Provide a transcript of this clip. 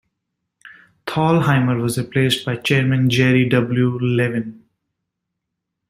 Thalheimer was replaced by Chairman Jerry W. Levin.